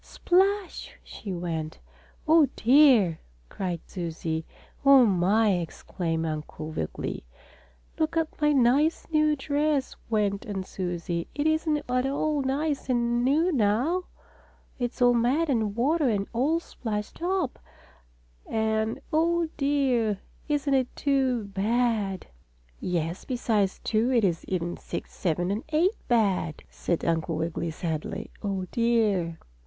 "Splash!" she went. "Oh, dear!" cried Susie. "Oh, my!" exclaimed Uncle Wiggily. "Look at my nice, new dress," went on Susie. "It isn't at all nice and new now. It's all mud and water and all splashed up, and oh, dear! Isn't it too bad!" "Yes, besides two it is even six, seven and eight bad," said Uncle Wiggily sadly. "Oh, dear!"